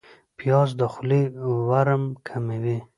پیاز د خولې ورم کموي